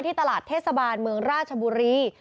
ตลาดเทศบาลเมืองราชบุรี